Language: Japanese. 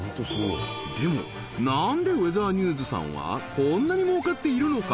でも何でウェザーニューズさんはこんなに儲かっているのか？